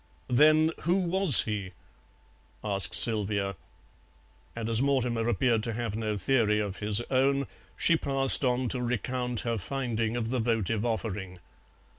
"Then who was he?" asked Sylvia, and as Mortimer appeared to have no theory of his own, she passed on to recount her finding of the votive offering.